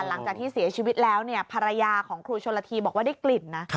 หลังจากที่เสียชีวิตแล้วเนี่ยภรรยาของครูชนละทีบอกว่าได้กลิ่นนะ